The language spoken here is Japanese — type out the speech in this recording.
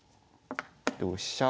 同飛車。